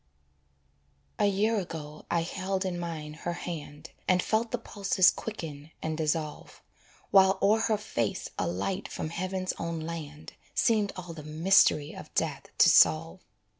A year ago I held in mine her hand, And felt the pulses quicken and dissolve, While o'er her face a light from heaven's own land Seemed all the mystery of death to solve.